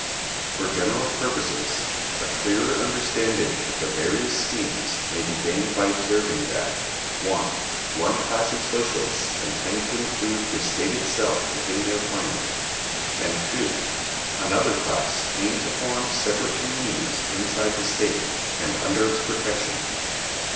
For general purposes, a clearer understanding of the various schemes may be gained by observing that (1) one class of socialists intend to include the state itself within their plan, and (2) another class aim to form separate communities inside the state, and under its protection.